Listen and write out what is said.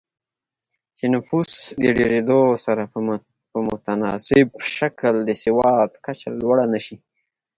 چې نفوس د ډېرېدو سره په متناسب شکل د سواد کچه لوړه نه شي